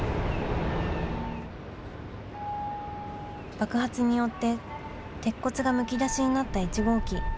爆発によって、鉄骨がむき出しになった１号機。